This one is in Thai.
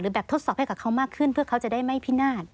แบบทดสอบให้กับเขามากขึ้นเพื่อเขาจะได้ไม่พินาศ